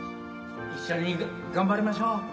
一緒に頑張りましょう。